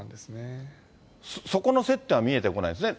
そこの接点は見えてこないですね。